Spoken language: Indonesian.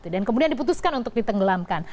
dan kemudian diputuskan untuk ditenggelamkan